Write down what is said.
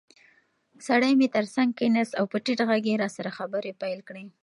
سړی مې تر څنګ کېناست او په ټیټ غږ یې راسره خبرې پیل کړې.